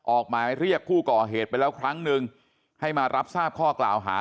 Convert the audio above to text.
ออกหมายเรียกผู้ก่อเหตุไปแล้วครั้งหนึ่งให้มารับทราบข้อกล่าวหา